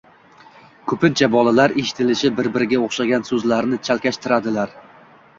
Ko‘pincha bolalar eshitilishi bir biriga o‘xshagan so‘zlarni chalkashtiradilar.